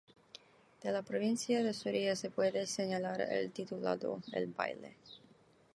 De la provincia de Soria se puede señalar el titulado "El baile.